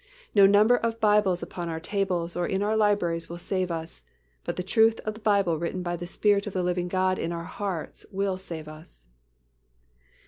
(2) No number of Bibles upon our tables or in our libraries will save us, but the truth of the Bible written by the Spirit of the living God in our hearts will save us.